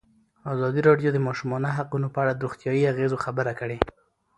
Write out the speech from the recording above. ازادي راډیو د د ماشومانو حقونه په اړه د روغتیایي اغېزو خبره کړې.